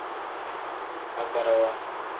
Agbarawa.